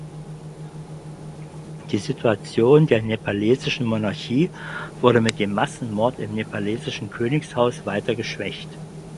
Die Situation der nepalesischen Monarchie wurde mit dem Massenmord im nepalesischen Königshaus weiter geschwächt.